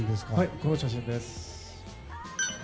この写真です。